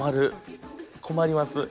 困ります。